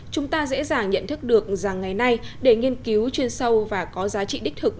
chúng ta dễ dàng nhận thức được rằng ngày nay để nghiên cứu chuyên sâu và có giá trị đích thực